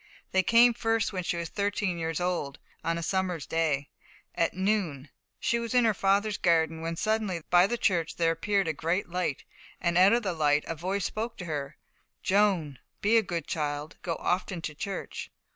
They came first when she was thirteen years old. On a summer's day, at noon, she was in her father's garden, when suddenly by the church there appeared a great light, and out of the light a voice spoke to her, "Joan, be a good child; go often to church."